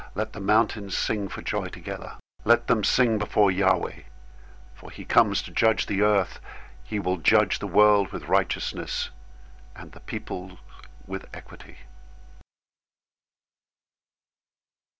Let the mountains sing for joy together. 098:009 Let them sing before Yahweh, for he comes to judge the earth. He will judge the world with righteousness, and the peoples with equity.